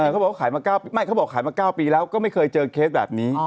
เขาบอกว่าขายมา๙ไม่เขาบอกขายมา๙ปีแล้วก็ไม่เคยเจอเคสแบบนี้